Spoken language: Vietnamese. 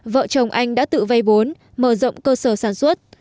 vợ chồng anh đã tự vây bốn mở rộng cơ sở sản xuất